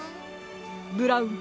ブラウン。